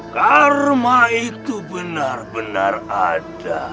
karma itu benar benar ada